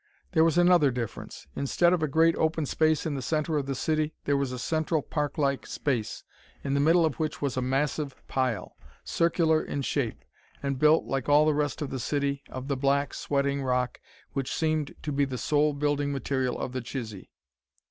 There was another difference. Instead of a great open space in the center of the city, there was a central, park like space, in the middle of which was a massive pile, circular in shape, and built, like all the rest of the city, of the black, sweating rock which seemed to be the sole building material of the Chisee.